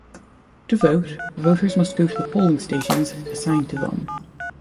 To vote, voters must go to the polling stations assigned to them.